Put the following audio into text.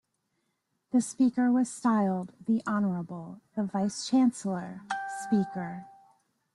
The speaker was styled The Honourable, the Vice-Chancellor, Speaker.